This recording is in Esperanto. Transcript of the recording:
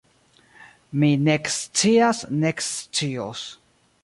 Ni nek scias nek scios.